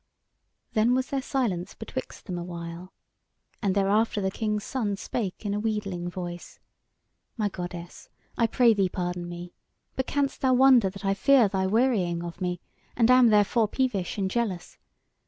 Then was there silence betwixt them a while, and thereafter the King's Son spake in a wheedling voice: "My goddess, I pray thee pardon me! But canst thou wonder that I fear thy wearying of me, and am therefore peevish and jealous?